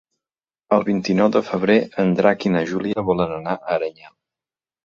El vint-i-nou de febrer en Drac i na Júlia volen anar a Aranyel.